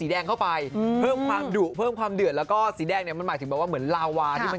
อีกสักรอบนี้มีความขนาดใหญ่ก็คือเพิ่มสีแดงเข้าไปสีแดงก็คือเหมือนมันกำลังรอมกำลังเรียบต่อ